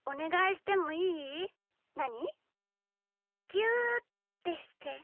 ぎゅうってして！